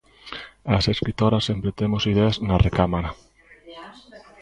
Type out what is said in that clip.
As escritoras sempre temos ideas na recámara.